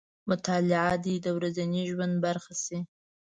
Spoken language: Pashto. مطالعه دې د ورځني ژوند برخه شي.